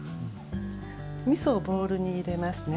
みそをボウルに入れますね。